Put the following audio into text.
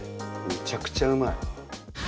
めちゃくちゃうまい。